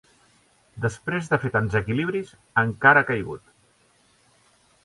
Després de fer tants equilibris, encara ha caigut.